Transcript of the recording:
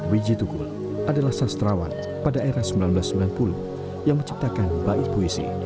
wijitukul adalah sastrawan pada era seribu sembilan ratus sembilan puluh yang menciptakan bait puisi